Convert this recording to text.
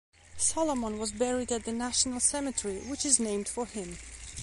Solomon was buried at the national cemetery which is named for him.